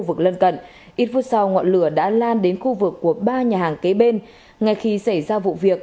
vực gần ít phút sau ngọn lửa đã lan đến khu vực của ba nhà hàng kế bên ngày khi xảy ra vụ việc